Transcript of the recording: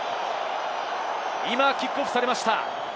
今、キックオフされました。